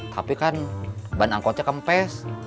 tapi kan ban angkotnya kempes